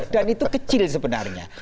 dan itu kecil sebenarnya